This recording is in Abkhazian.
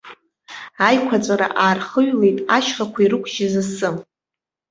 Аиқәаҵәара аархыҩлеит ашьхақәа ирықәжьыз асы.